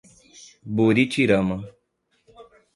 Buritirama